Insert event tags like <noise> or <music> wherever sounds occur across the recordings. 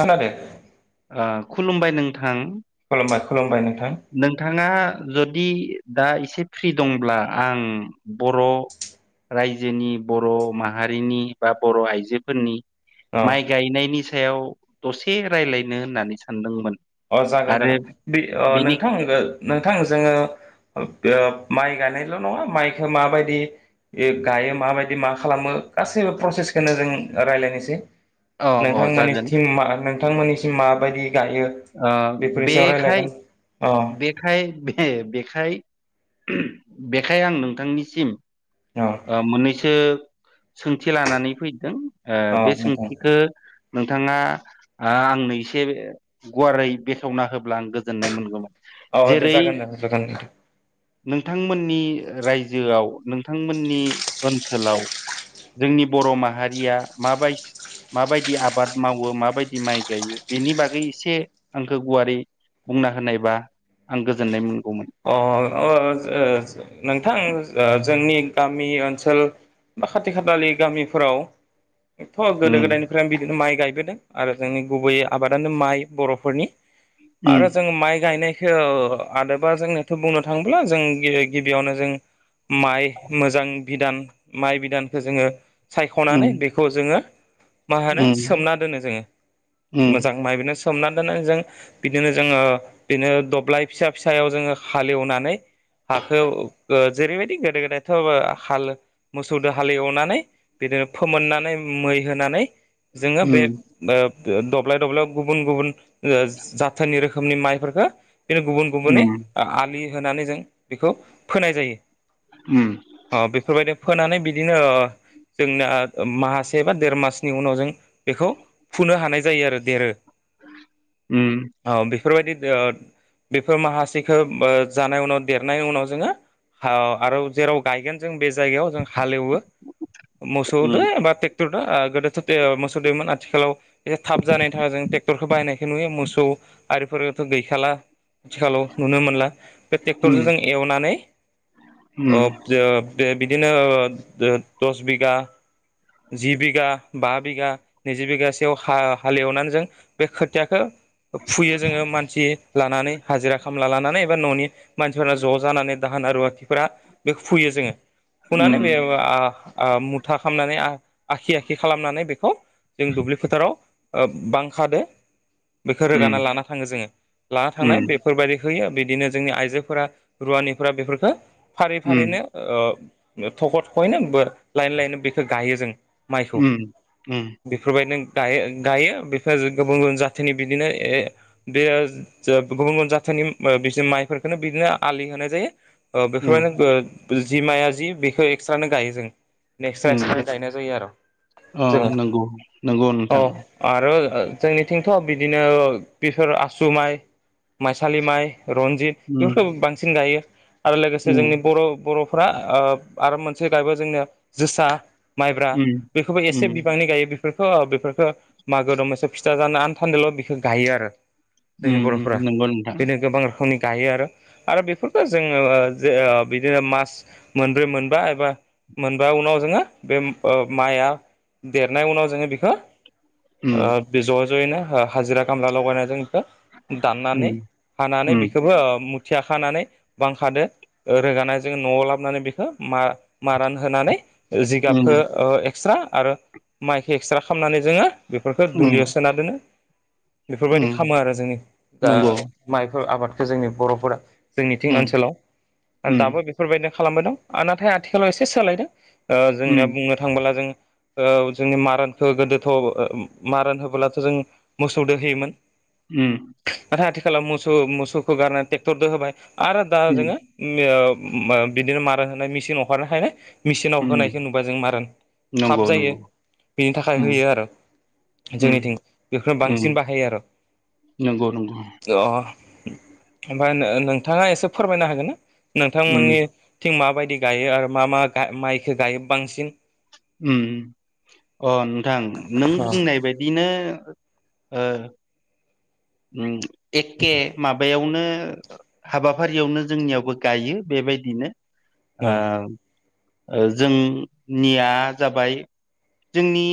नोन द। ओ खुलुमबाय नोंथां। मा खलुमबाय नोंथां। नोंथाङा। जुदि दा एसे फ्रि दंब्ला आं बर'। रायजोनि बर' माहारिनि बा बर' आइजोफोरनि। औ माइ गायनायनि सायाव दसे रायज्लायनो होननानै सानदोंमोन। अ जागोन आरो जागोन बे बेनि नोंथां नोंथां जोङो। माइ गायनायल' नङा माइखौ माबायदि। बे गायो माबायदि मा खालामो गासैबो प्रसेसखौनो जों रायज्लायनोसै। अ अ जागोन नोंथांमोननिसिमा नोंथांमोननिसिम माबायदि गायो। बेफोरनि सायाव बेखाय रायज्लायगोन अ अ बेखाय बे बेखाय। बेखाय आं नोंथांनिसिम मोननैसो। सोंथि लानानै फैदों अ बे नोंथां सोंथिखौ। नोंथाङा आंनो एसे गुवारै बेखेवना होब्ला आं गोजोननाय मोनगौमोन। औ दे जेरै जागोन दे। नोंथांमोननि रायजोआव नोंथांमोननि ओनसोलाव। जोंनि बर' माहारिया माबाय। माबायदि आबाद मावो माबायदि माइ गायो बेनि बागै। एसे आंखौ गुवारै बुंना होनायबा आं गोजोननाय मोनगोन। अ नोंथां जोंनि। गामि ओनसोल बा खाथि खालालि गामिफोराव। थ' गोदो उम गोदायनिफ्रायनो बिदिनो माइ गायबोदों आरो जोंनि गुबैयै आबादानो माइ बर'फोरनि। आरो उम जों माइ गायनायखौ आबाद। बा जोंनोथ' बुंनो थाङोब्ला जों गिबियावनो जों। माइ मोजां बिधान माइ बिदानखौ जोङो। सायख'नानै उम बेखौ जोङो मा होनो सोमना दोनो जोङो उम मोजां माबनो। सोमनानै दोननानै जों बिदिनो जोङो बिदिनो दब्लाय फिसा फिसा। सायाव जोङो हालेवनानै हाखौ। जेरैबायदि गोदो गोदायथ' हाल मोसौजों हाल एवनानै बिदिनो फोमोननानै। एवनानोय। जोङो बे उम दब्लाय दब्लायाव गुबुन गुबुन जाथोननि रोखोम। रोखोमनि माइफोरफोरखौ बिदिनो गुबुन गुबुनै उम आलि होनानै जों। बेखौ फोनाय जायो उम ओ बेफोरबायदि फोनानै। बिदिनो जोंना ओ माहासे बा देर मासनि उनाव जों। बेखौ फुनो हानाय जायो आरो देरो उम औ बे बेफोरबायदि बेफोर माहासेखौ जानाय उनाव देरनाय उनाव जोङो ओ आरो जेराव गायगोन जों बे जायगायाव जों हालेवो मोसौदो एबा थेग ट्रेक्टर दा गोदोथ' मोसौ दैोममोन आथिखालाव एसे थाब जानायनि थाखाय जों ट्रेक्टरखौ बायनायखौ नुयो मोसौ आरिफोरथ' गैखाला आथिखालाव नुनो मोनला बे ट्रेक्टरजों जों एवनानै ओ ओ बिदिनो ओ दस बिगा जि बिघा बा बिगा नैजि बिगसेोआव हा हालेवनानै जों बे खोथियाखौ फुयो जोङो मानसि लानानै हाजिरा खामला लानानै बबा न'नि मानसिफोरा ज' जानानै दाहोन रुवाथिफोरा बेखौ फुयो जोङो फुनानै बे आ आ मुथा खालामनानै आखि आखि खालामनानै बेखौ जों दुब्लि फोथाराव ओ बां खादो बेखौ रोगानानानै लाना थाङो जोङो लाना थांनाय बे बेफोरबायदि होयो बिदिनो जोंनि आइजोफोरा रुवानिफोरा बेफोरखो फारि फारिनो थख' थखायनो ब लायनो लायनो बेखौ गायो जों माइखौ बेफोरबायदिनो गायो गायो बेफोर गुबुन गुबुन जाथिनि बिदिनो ए बे गुबुन गुबुन जाथि बिफोर बिसोर माइफोरखौनो बिदिनो आलि होनाय जायो बेफोरबायदिनो जि माया जि बेखौ एक्सट्रानो गायो जों नेक्स् एक्सरा गायनाय जायो आरो अ, जोङो नंगौ, नंगौ औ नोंथां। आरो जोंनिथिंथ' बिदिनो बेफोर आसु माइ माइसालि माइ रनजित ऊम, फोरखौ बांसिन गायो। आरो लोगोसे ऊम, जोंनि बर' बर'फ्रा ओ आरो मोनसे गायबावो जोंनिया जोसा माइब्रा ऊम, बेखौबो ऊम, एसे बिबांनि गायो बे बेफोरखौ बेफोरखौ मागो दमसे फिथा जानो आनथान्दोल' बेखौ गायो आरो उ नंगौ नोंथां। बेनो गोबां र नि गायो आरो आरो बेफोरफोरखौ जोङो ओ ओ बिदिनो मास मोनब्रै मोनबा एबा मोनबा उनाव जोङो बे ओ माइआ देरनाय उनाव जोङो बेखौ ऊम, ओ बे ज' ज'यैनो हाजिरा खामला लगायनानै जों बेखौ दाननानै ऊम, हानानै ऊम, बेखौबो मुथि खाखानानै बांखादो रोगानायजों न'आव लाबोनानै बेखौ मा मारान होनानै जिगाबखौ ऊम, ओ एक्सट्रा आरो माइखौ एक्सट्रा खालामामनानै जोङो बेफोरखौ ऊम, दुलियाव सोना दोनो बेफोरबायदि ऊम, खालामो आरो जोंनि दा नंगौ। बेफोर आबादखौ जोंनि बर'फोरा जोंनिथिं ऊम, ओनसोलाव आरो ऊम, दाबो बेफोरबायदिनो खालामबाय दं आरो नाथाय आथिखालाव एसे सोलायदों ओ ऊम, जोंनिया बुंनो थांबोला जों ओ जोंनि मारानखौ गोदोथ' मारान होबोलाथ' जों मोसौ दो होयोमोन ऊम, नाथाय आथिखालाव मोसौ मोसौखौ गारनानै ट्रेक्टरजों होबाय। आरो दा ऊम, जोङो ओ मो बिदिनो मारा होनाय मेसिन हंखारनायखायनो मेचिनाव ऊम, होनायखौ नुबा जों मारन थाब नंगौ, जायो नंगौ। बेनि थाखाय ऊम, होयो आरो ऊम, जोंनिथिं बेखौनो बांसिन ऊम, बाहायो आरो नंगौ, नंगौ। अ ओमफ्राय नों नोंथाङा एसे फोरमायनो हागोन ऊम, नोंथांमोननिथिं माबायदि दि गायो आरो मा मा माइखौ गायो बांसिन उम अ नोंथां नों औ बुंनाय बायदिनो ओ एखे माबायावनो हाबाफारियावनो जोंनियावबो गायो बेबायदिनो औ ओ जोंनिया जाबाय जोंनि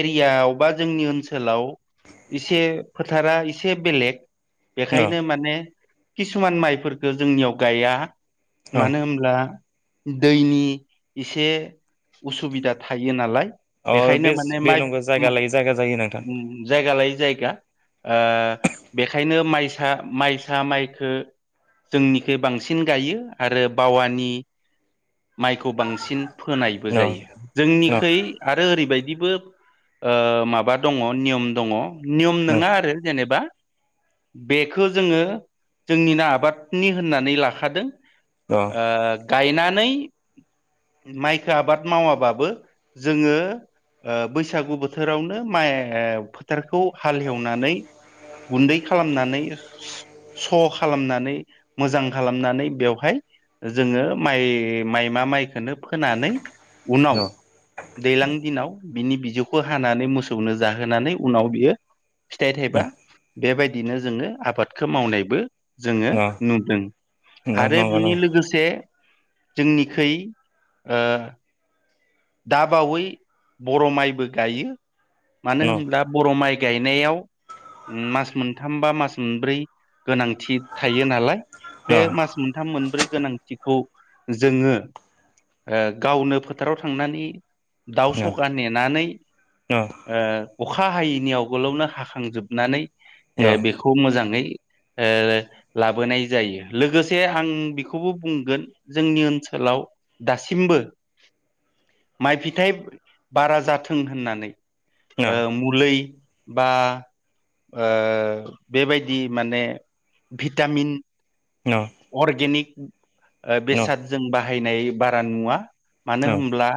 एरियायाव बा जोंनि ओनसोलाव एसे फोथारा एसे बेलेग औ बेखायनो माने किसुमान माइफोरखौ जोंनियाव गाया औ मानो होनब्ला दैनि एसे उसुबिदा थायो नालाय अ बेखायनो बे माने बे माइ नंगौ जायगा लायै जायगा जायो नोंथां जायगा लायै जायगा ओ बेखायनो माइसा माइसा माइखो जोंनिखोइ बांसिन गायो आरो बावानि माइखौ बांसिन फोनायबो औ जायो औ जोंनिखै आरो ओरैबायदिबो ओ माबा दङ नियम दङ नियम औ नङा आरो जेनेबा बेखौ जोंङो जोंनि नो आबादनि होननानै लाखादों ओ गायनानै माइखो आबाद मावाबाबो जोंङो ओ बैसागु बोथोरावनो माइ फोथार खौ हालेवनानै गुन्दै खालामनानै स खालामनानै मोजां खालामनानै बेवहाय ओ जोंङो माइ माइमा माइखौनो फोनानै उनाव औ दैज्लां दिनाव बिनि बिजौखौ हानानै मोसौनो जाहोनानै उनाव बियो फिथाइ थाइबा बेबायदि दिनो जोंङो आबादखौ मावनायबो जोंङो नुदों नंगौ आरो बिनि नंगौ औ लोगोसे जोंनिखै ओ दाबावै बर' माइबो गायो मानो होनब्ला बर' माइ गायनायाव मास मोनथाम बा मास मोनब्रै गोनांथि थायो नालाय बे मास मोनथाम मोनब्रै गोनांथि थिखौ जोंङो ओ गावनो फोथाराव थांनानै दाउ सखा नेनानै ओ अखा हायैनि आवगोलावनो हाखांजोबनानै ओ औ बेखौ मोजांङै ओ लाबोनाय जायो लोगोसे आं बेखौबो बुंगोन जोंनि ओनसोल लाव दासिमबो माइ फिथाइ बारा जाथों होननानै औ ओ मुलै बा ओ बेबायदि माने भिटामिन औ अर्गेनिक ओ बेसाद जों बाहायनाय बारा नुवा मानो होमब्ला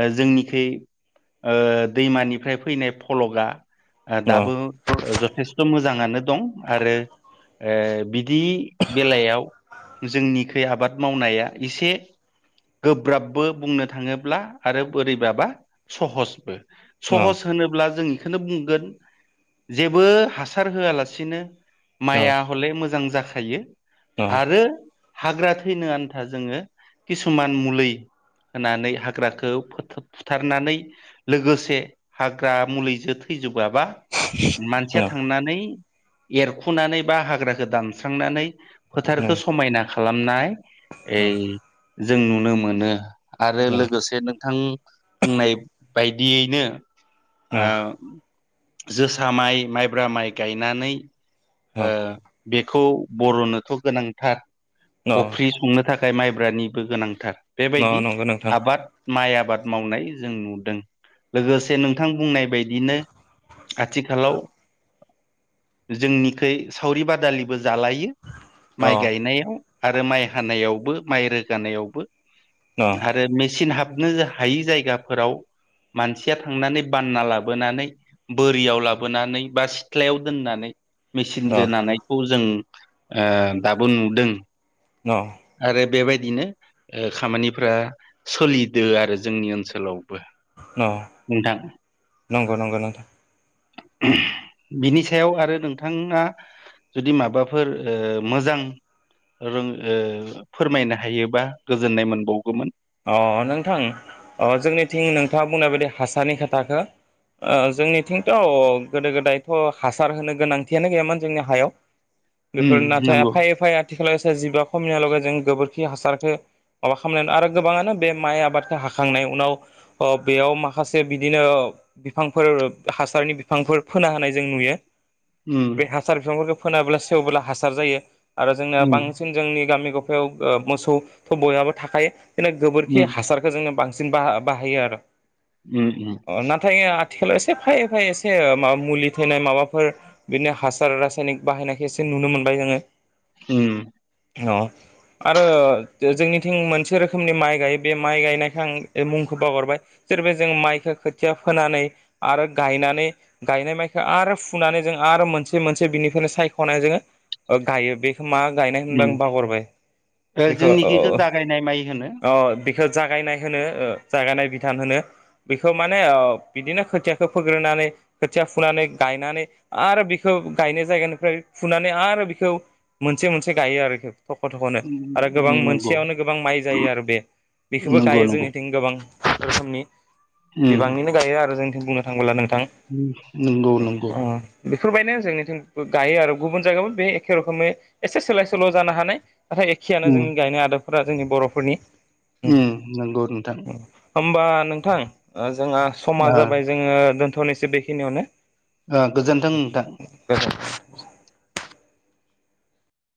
ओ जोंनिखै ओ दैमानिफ्राय फैनाय फलका ओ दाबो जथेस्थ' मोजाङानो दं आरो ओ दि बेलायाव जोंनिखै आबाद मावनाया एसे गोब्राबबो बुंनो थाङोब्ला आरो बोरैबाबा सहसबो सहस होनोब्ला जों बेखौनो बुंगोन जेबो हासार होआलासिनो माइया हले मोजां जाखायो आरो हाग्रा थैनो आन्था जोंङो किसुमान मुलै होनानै हाग्राखौ फोथ फुथारनानै लोगोसे हाग्रा मुलिजो थैजोब आबा मानसिया थांनानै एरखुनानै बा हाग्राखौ दानस्रांनानै फोथारखौ समायना खालामनाय ए जों नुनो मोनो आरो लोगोसे नोंथां बुंनाय बायदियैनो ओ जोसा माइ माइब्रा माइ गायनानै ओ बेखौ बर'नोथ' गोनांथार अफ्रि संनो था खाय माइब्रानिबो गोनांथार बेबायदि नंगौ नोंथां आबाद माइ आबाद मावनाय जों नुदों लोगोसे नोंथां बुंनाय बाय दिनो आथिखालाव जोंनिखै सावरि बादालिबो जालायो अ माइ गायनायाव आरो माइ हानायावबो माइ रोगानायावबो अ आरो मेचिन हाबनो हायि जायगाफोराव मानसिया थांनानै बानना लाबोनानै बोरियाव लाबोनानै बा सिथ्लायाव दोननानै अ मेचिनजों नानायखौ जों ओ दाबो नुदों आरो बेबायदिनो ओ खामानिफोरा ओ सोलिदो आरो जोंनि ओनसोलाव औ नंगौ नंगौ नंगौ नोंथां <unintelligible> बिनि सायाव आरो नोंथाङा जुदि माबाफोर ओ मोजां रों ओ फोरमायनो हायोबा गोजोननाय मोनबावगौमोन अ नोंथां अ जोंनिथिं नोंथाङा बुंनाय बायदि हासारनि खोथाखौ ओ जोंनिथिंथ' गोदो गोदायथ' हासार होनो गोनांथियानो गैयामोन जोंनि हायाव उम बेफोर नाथाय नंगौ फायै फायै आथिखालाव सोर जिबा खमनियालागै जों गोबोर खि हासारखौ माबा खालामनाय आरो गोबाङानो बे माइ आबादखौ हाखांनाय उनाव ओ बेयाव माखासे बिदिनो बिफांफोर हासारनि बिफांफोर फोना होनाय जों नुयो उम बे हासार बिफांफोरखौ फोनाब्ला सेवबोला हासार जायो आरो जोंनिया उम बांसिन जोंनि गामि ग मोसौ थ' बयहाबो थाखायो उम गोबोरखि हासारखौ जोंनो बां सिन बाहायो आरो उम उम अ नाथाय आथिखालाव एसे फैयै फैयै एसे माबा मुलि थैनाय माबाफोर बिदिनो हासार रासायनिक बाहायनायखौ एसे नुनो मोनबाय जोङो होम अ आरो जोंनिथिं मोनसे रोखोमनि माइ गायो बे माइ गायनायख आं मुंखौ बावगरबाय सोरोबा जों माइखौ खोथिया फोनानै आरो गायनानै गायनाय माइखौ आरो फुनानै जों आरो मोनसे मोनसे बिनिफ्रायनो सायख'नाय जोङो गायो बेखौ मा गायनाय होनदों उम आं बाहरबाय ओ बेखौ जोंनिखिखौ जागायनाय माइ होनो अ बेखौ जागायनाय होनो जागायनाय बिदान होनो बेखौ माने बिदिनो खोथियाखौ फो ग्रोनानै खोथिया फुनानै गायनानै आरो बेखौ गायनाय जायगानिफ्राय फुनानै आरो बेखौ मोनसे मोनसे गायो आरोखौ थख' थख'नो उम आरो गोबां उम नंगौ मोनसेयावनो गोबां माइ जायो आरो बे बेखौबो नंगौ गायो नंगौ जोंनिथिं गोबां रोखोमनि उम बिबांनिनो गायो आरो जों बुंनो थाङोब्ल नों थां उम नंगौ नंगौ अ बेफोरबायनो जोंनिथिं गायो आरो गुबुन जायगायावबो बे एखे रोखोमै एसे सोलाय सोल' जानो हानाय नाथाय एखेआनो उम जोंनि गायनाय आदबफोरा जोंनि बर'फोरनि उम नंगौ नोंथां होमबा नोंथां जोंहा समा ओ जाबाय जोङो दोनथ'नोसो बेखिनियावनो ओ गोजोनथों नोंथां <unintelligible>